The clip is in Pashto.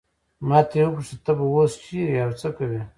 ما ترې وپوښتل ته به اوس چیرې یې او څه کوې.